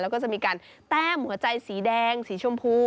แล้วก็จะมีการแต้มหัวใจสีแดงสีชมพู